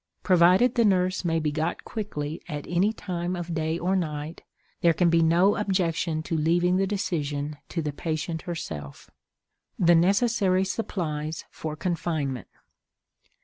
Provided the nurse may be got quickly at any time of day or night, there can be no objection to leaving the decision to the patient herself. THE NECESSARY SUPPLIES FOR CONFINEMENT.